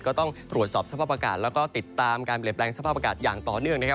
ก็ต้องตรวจสอบสภาพอากาศแล้วก็ติดตามการเปลี่ยนแปลงสภาพอากาศอย่างต่อเนื่องนะครับ